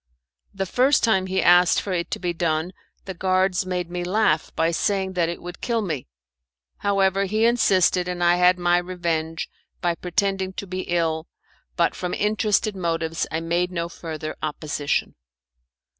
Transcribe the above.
The first time he asked for it to be done, the guards made me laugh by saying that it would kill me. However, he insisted; and I had my revenge by pretending to be ill, but from interested motives I made no further opposition.